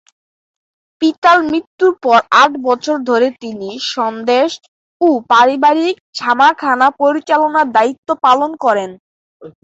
পিতার মৃত্যুর পর আট বছর ধরে তিনি "সন্দেশ" ও পারিবারিক ছাপাখানা পরিচালনার দায়িত্ব পালন করেন।